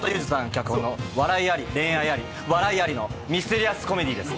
脚本の笑いあり恋愛あり笑いありのミステリアスコメディーです。